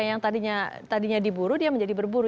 yang tadinya diburu dia menjadi berburu